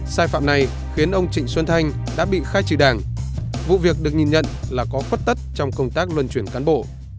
sai phạm này khiến ông trịnh xuân thanh đã bị khai trừ đảng vụ việc được nhìn nhận là có khuất tất trong công tác luân chuyển cán bộ